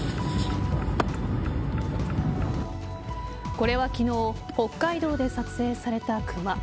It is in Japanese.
これは昨日北海道で撮影されたクマ。